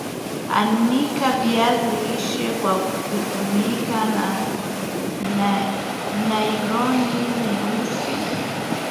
Anika viazi lishe kwa kufunika na naironi nyeusi